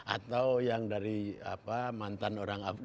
atau yang dari mantan orang afrika